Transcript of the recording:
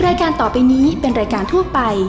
รายการต่อไปนี้เป็นรายการทั่วไป